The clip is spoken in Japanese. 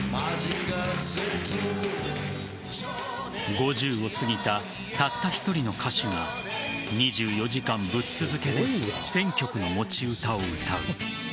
５０を過ぎたたった１人の歌手が２４時間ぶっ続けで１０００曲の持ち歌を歌う。